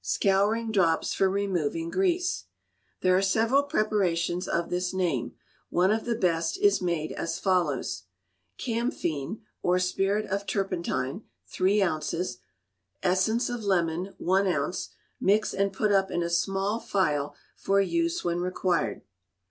Scouring Drops for removing Grease There are several preparations of this name; one of the best is made as follows: Camphine, or spirit of turpentine, three ounces: essence of lemon, one ounce; mix and put up in a small phial for use when required.